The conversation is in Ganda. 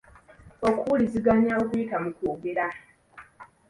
Okuwuliziganya okuyita mu kwogera.